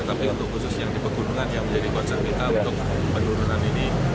tapi untuk khusus yang di pegunungan yang menjadi concern kita untuk penurunan ini